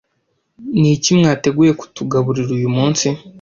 Niki mwateguye kutugaburira uyu munsi